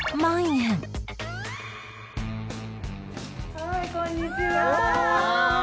はいこんにちは。